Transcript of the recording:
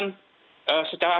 untuk kemudian menghadiri